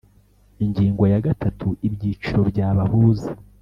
Ingingo ya gatatu Ibyiciro byabahuza